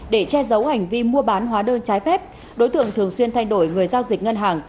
để che giấu hành vi mua bán hóa đơn trái phép đối tượng thường xuyên thay đổi người giao dịch ngân hàng